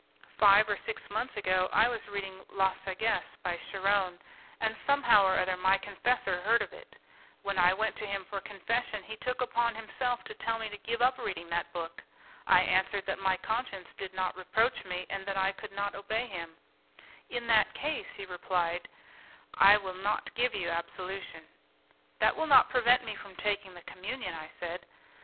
Five or six months ago, I was reading La Sagesse, by Charron, and somehow or other my confessor heard of it; when I went to him for confession, he took upon himself to tell me to give up reading that book. I answered that my conscience did not reproach me, and that I could not obey him. 'In that case,' replied he, 'I will not give you absolution.' 'That will not prevent me from taking the communion,' I said.